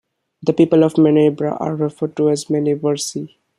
The people of Manerba are referred to as Manerbesi.